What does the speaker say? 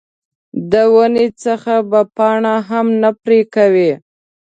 د ونې څخه به پاڼه هم نه پرې کوې.